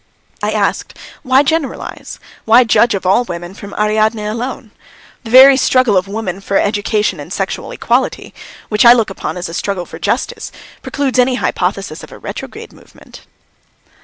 I asked: "Why generalise? Why judge of all women from Ariadne alone? The very struggle of women for education and sexual equality, which I look upon as a struggle for justice, precludes any hypothesis of a retrograde movement."